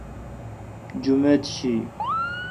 جمیت شی۔